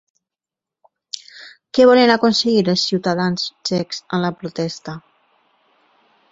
Què volen aconseguir els ciutadans txecs amb la protesta?